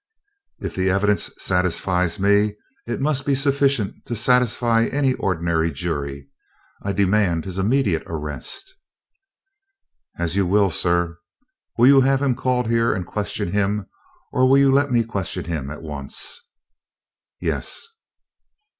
"If the evidence satisfies me, it must be sufficient to satisfy any ordinary jury. I demand his immediate arrest." "As you will, sir. Will you have him called here and question him, or will you let me question him at once?" "Yes."